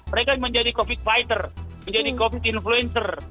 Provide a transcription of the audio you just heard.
mereka menjadi covid fighter menjadi covid influencer